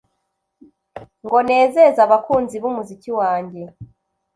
ngo nezeze abakunzi b’umuziki wanjye